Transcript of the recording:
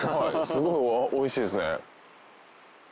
すごい美味しいですね。